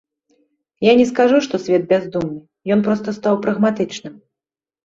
Я не скажу, што свет бяздумны, ён проста стаў прагматычным.